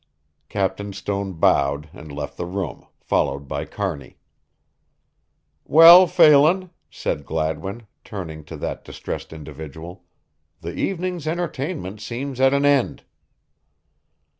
Captain Stone bowed and left the room, followed by Kearney. "Well, Phelan," said Gladwin, turning to that distressed individual, "the evening's entertainment seems at an end."